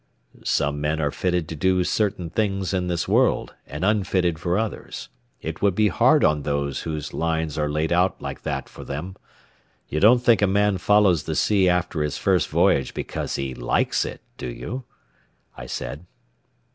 "Some men are fitted to do certain things in this world and unfitted for others. It would be hard on those whose lines are laid out like that for them. You don't think a man follows the sea after his first voyage because he likes it, do you?" I said.